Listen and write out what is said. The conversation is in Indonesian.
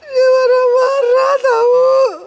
dia marah marah tau